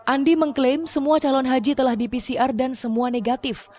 andi mengklaim semua calon haji telah di pcr dan semua negatif